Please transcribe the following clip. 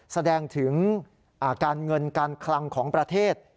แสดงถึงการเงินการคลังของประเทศ